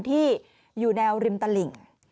ที่อยู่แนวริมตลิ่ง